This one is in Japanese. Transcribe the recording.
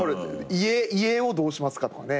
「遺影をどうしますか？」とかね。